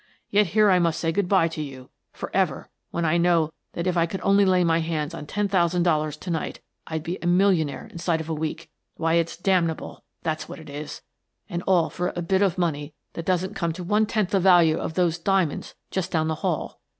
Yet here I must say good bye to you for ever when I know that if I could only lay my hands on ten thousand dollars to night I'd be a millionaire inside of a week. Why, it's damnable, that's what it is — and all for a bit of money that doesn't come to one tenth the value of those diamonds just down the hall!"